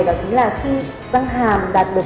đó chính là khi răng hàm đạt được